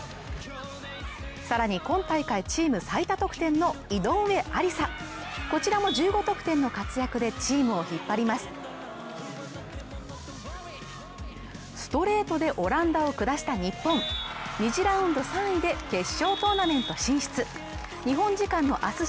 さらに今大会チーム最多得点の井上愛里沙こちらも１５得点の活躍でチームを引っ張りますストレートでオランダを下した日本２次ラウンド３位で決勝トーナメント進出日本時間の明日